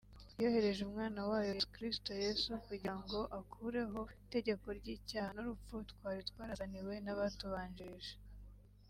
yohereje umwana wayo Yesu Kristo Yesu kugira ngo akureho itegeko ry’icyaha n’urupfu twari twarazaniwe n’abatubanjirije